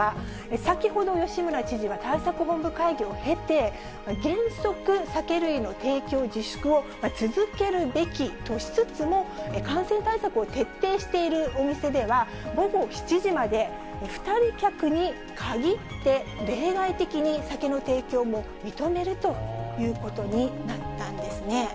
先ほど、吉村知事は対策本部会議を経て、原則、酒類の提供自粛を続けるべきとしつつも、感染対策を徹底しているお店では、午後７時まで２人客に限って、例外的に酒の提供も認めるということになったんですね。